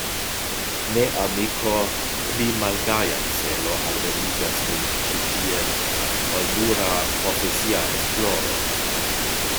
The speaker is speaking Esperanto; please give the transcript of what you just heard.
Ne, amiko, pli malgaja celo alvenigas min ĉi tien, ol nura profesia esploro.